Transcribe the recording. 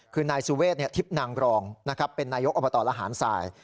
คือนายสุเวททิพย์นางรองเป็นนายกอบตระหารสาย